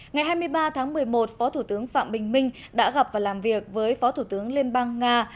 ngày hai mươi ba tháng một mươi một phó thủ tướng phạm bình minh đã gặp và làm việc với phó thủ tướng liên bang nga